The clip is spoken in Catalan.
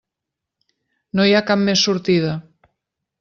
No hi ha cap més sortida.